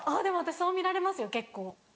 でも私そう見られますよ結構。